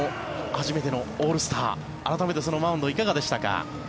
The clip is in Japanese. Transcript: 初めてのオールスター改めてそのマウンドいかがでしたか。